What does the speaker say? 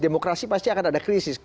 demokrasi pasti akan ada krisis